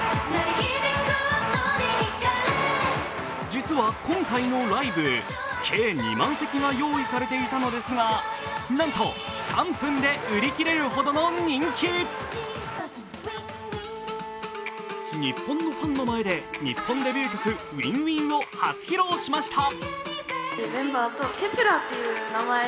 実は今回のライブ、計２万席が用意されていたのですがなんと３分で売り切れるほどの人気日本のファンの前で日本デビュー曲「ＷｉｎｇＷｉｎｇ」を初披露しました。